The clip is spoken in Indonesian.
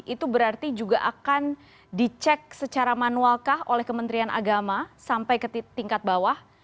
itu berarti juga akan dicek secara manualkah oleh kementerian agama sampai ke tingkat bawah